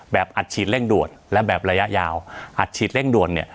อัดฉีดเร่งด่วนและแบบระยะยาวอัดฉีดเร่งด่วนเนี่ย